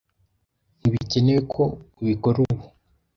Ntibikenewe ko ubikora ubu.